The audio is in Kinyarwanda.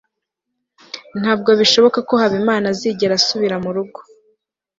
ntabwo bishoboka ko habimana azigera asubira murugo